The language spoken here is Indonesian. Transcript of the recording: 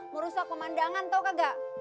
merusak pemandangan tau kagak